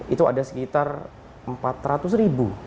itu ada sekitar empat ratus ribu